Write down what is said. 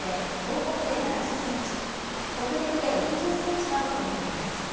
北陸で６０ｃｍなどとなっています。